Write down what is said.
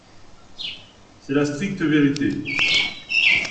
C’est la stricte vérité.